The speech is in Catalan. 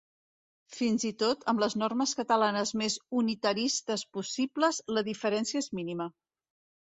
Fins i tot amb les normes catalanes més unitaristes possibles, la diferència és mínima.